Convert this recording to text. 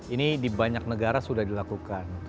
ini di banyak negara sudah dilakukan